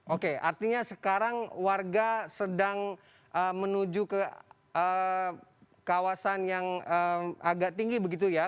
oke artinya sekarang warga sedang menuju ke kawasan yang agak tinggi begitu ya